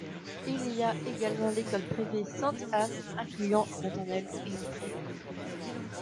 Il y a également l'école privée Sainte-Anne, incluant une maternelle et une primaire.